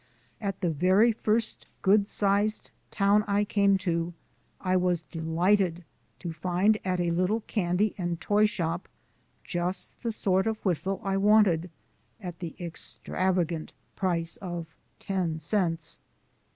At the very first good sized town I came to I was delighted to find at a little candy and toy shop just the sort of whistle I wanted, at the extravagant price of ten cents.